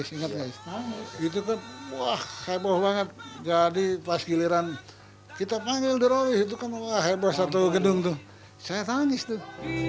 itu kek wah heboh banget jadi pas giliran kita panggil drolis itu kan wah heboh satu gedung tuh saya tangis tuh